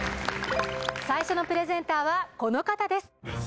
最初のプレゼンターはこの方です